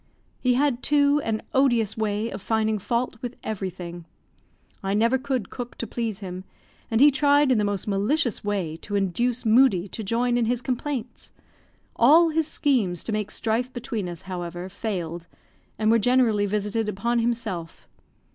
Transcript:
He had, too, an odious way of finding fault with everything. I never could cook to please him; and he tried in the most malicious way to induce Moodie to join in his complaints. All his schemes to make strife between us, however, failed, and were generally visited upon himself.